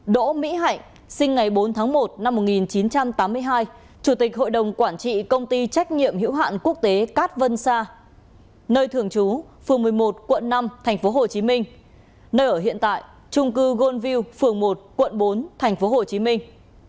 đỗ mỹ hạnh sinh ngày bốn tháng một năm một nghìn chín trăm tám mươi hai chủ tịch hội đồng quản trị công ty trách nhiệm hiểu hạn quốc tế cát vân sa nơi thường trú phường một mươi một quận năm thành phố hồ chí minh nơi ở hiện tại trung cư goldville phường một quận bốn thành phố hồ chí minh